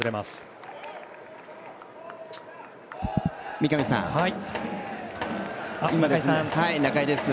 三上さん、中居です。